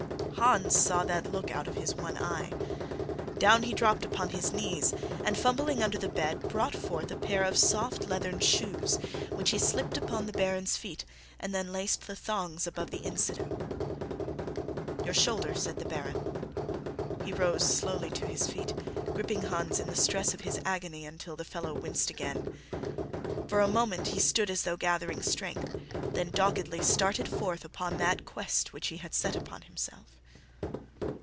Hans saw that look out of his one eye. Down he dropped upon his knees and, fumbling under the bed, brought forth a pair of soft leathern shoes, which he slipped upon the Baron's feet and then laced the thongs above the instep. "Your shoulder," said the Baron. He rose slowly to his feet, gripping Hans in the stress of his agony until the fellow winced again. For a moment he stood as though gathering strength, then doggedly started forth upon that quest which he had set upon himself.